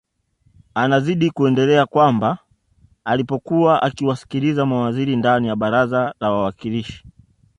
Anazidi kuendelea kwamba alipokuwa akiwasikiliza mawaziri ndani ya baraza la wawakilishi